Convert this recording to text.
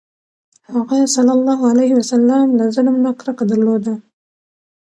هغه ﷺ له ظلم نه کرکه درلوده.